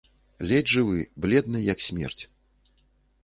Ледзь жывы, бледны як смерць.